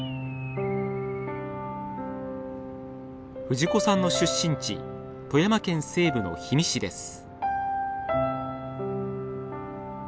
藤子さんの出身地富山県西部の氷見市です。